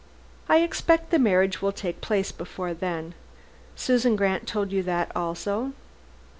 I expect the marriage will take place before then. Susan Grant told you that also?"